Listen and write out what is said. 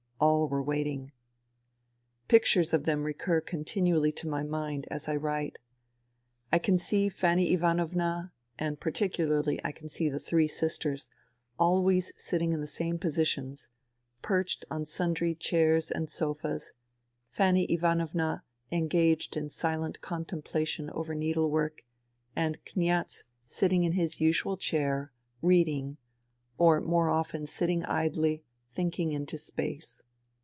All were waiting. ... Pictures of them recur continually to my mind, as I write. I can see Fanny Ivanovna, and particu larly I can see the three sisters, always sitting in the same positions, perched on sundry chairs and sofas, Fanny Ivanovna engaged in silent contemplation over needlework, and Kniaz sitting in his usual chair, reading, or more often sitting idly, thinking into space.